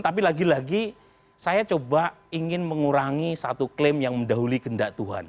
tapi lagi lagi saya coba ingin mengurangi satu klaim yang mendahului kendak tuhan